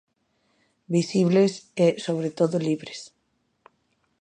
Visibles e, sobre todo, libres.